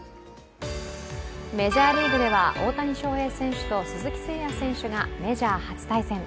メジャーリーグでは大谷翔平選手と鈴木誠也選手がメジャー初対戦。